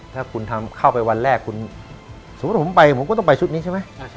ถ้าคุณทำเข้าไปวันแรกคุณสมมุติผมไปผมก็ต้องไปชุดนี้ใช่ไหม